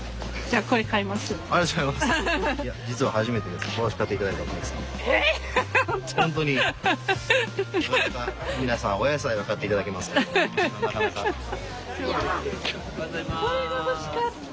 あっこれが欲しかった。